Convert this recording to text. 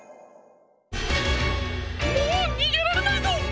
もうにげられないぞ！